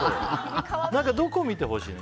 どこ見てほしいの？